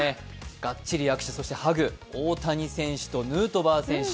がっちり握手、そしてハグ大谷選手とヌートバー選手。